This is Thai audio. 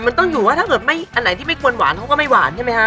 แต่มันต้องอยู่ว่าถ้าไหนที่ไม่กวนหวานเขาก็ไม่หวานใช่ไหมฮะ